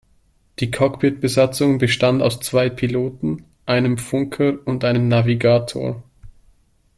Die Cockpitbesatzung bestand aus zwei Piloten, einem Funker und einem Navigator.